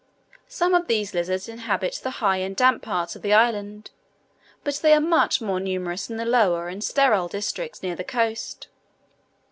Some of these lizards inhabit the high and damp parts of the islands, but they are much more numerous in the lower and sterile districts near the coast.